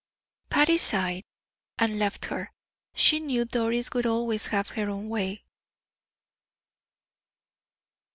Patty sighed, and left her; she knew Doris would always have her own way.